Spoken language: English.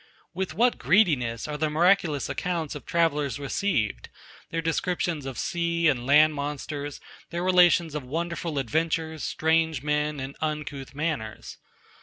With what greediness are the miraculous accounts of travellers received, their descriptions of sea and land monsters, their relations of wonderful adventures, strange men, and uncouth manners?